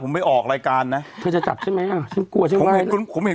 ผมไปออกรายการนะคุณจะจับใช่ไหมอ่ะฉันกลัวใช่ไหม